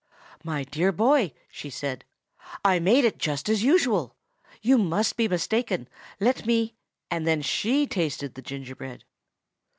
"My dear boy," she said, "I made it just as usual. You must be mistaken. Let me—" and then she tasted the gingerbread.